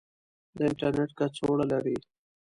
د انترنیټ کڅوړه لرئ؟